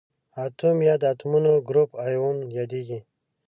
اتوم یا د اتومونو ګروپ ایون یادیږي.